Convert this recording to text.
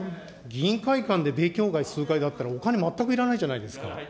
議員会館で勉強会数回だったら、お金全くいらないじゃないですか。